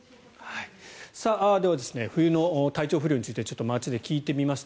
では冬の体調不良について街で聞いてみました。